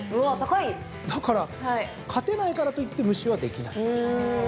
だから勝てないからといって無視はできない。